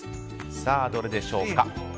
どれでしょうか。